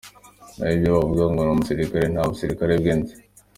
Naho ibyo bavuga ngo ni umusirikare, nta busirikare bwe nzi.